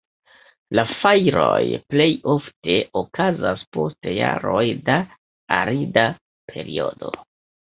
La fajroj plejofte okazas post jaroj da arida periodo.